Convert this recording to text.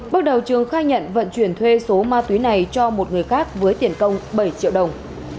bước đầu trường khai nhận vận chuyển thuê số ma túy này cho một người khác với tiền công bảy triệu đồng